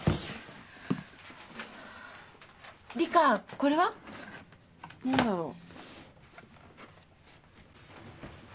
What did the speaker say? これは？何だろう？